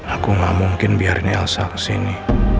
aku ga mungkin biarin elsa kesini